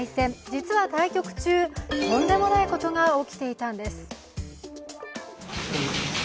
実は対局中、とんでもないことが起きていたんです。